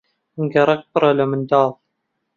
گەڕەک پڕە لە منداڵ.